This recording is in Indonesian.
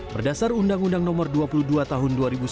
berdasar undang undang nomor dua puluh dua tahun dua ribu sembilan